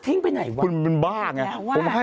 พี่แมว่ะแต่หนุ่มไม่ได้พี่แมว่ะแต่หนุ่มไม่ได้